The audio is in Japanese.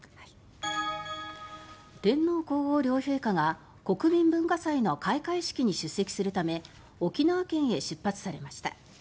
天皇・皇后両陛下が国民文化祭の開会式に出席するため沖縄県へ出発されました。